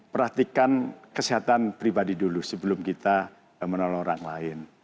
perhatikan kesehatan pribadi dulu sebelum kita menolong orang lain